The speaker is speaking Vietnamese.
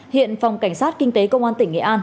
hiện phòng cảnh sát kinh tế công an tỉnh nghệ an